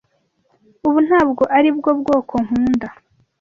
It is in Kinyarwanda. Ubu ntabwo aribwo bwoko nkunda.